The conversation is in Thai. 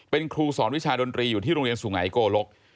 เป็นครูสอนวิชาดนตรีอยู่ที่โรงเรียนสุไงโกลก